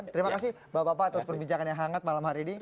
terima kasih bapak bapak atas perbincangan yang hangat malam hari ini